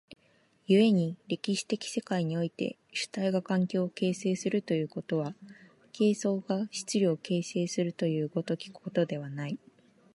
故に歴史的世界において主体が環境を形成するということは、形相が質料を形成するという如きことではない。